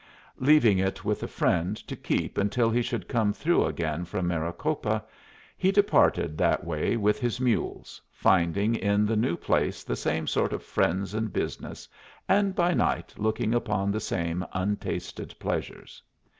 Leaving it with a friend to keep until he should come through again from Maricopa, he departed that way with his mules, finding in the new place the same sort of friends and business, and by night looking upon the same untasted pleasures.